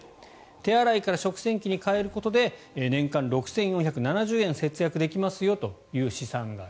手洗いから食洗機に変えることで年間６４７０円節約できますよという試算がある。